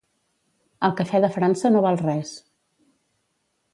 El cafè de França no val res